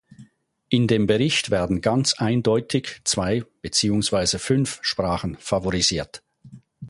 In dem Bericht werden ganz eindeutig zwei beziehungsweise fünf Sprachen favorisiert.